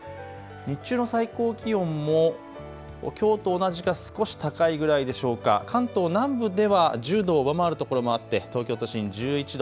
日中の最高気温もきょうと同じか少し高いぐらいでしょうか、関東南部では１０度を上回るところもあって東京都心１１度。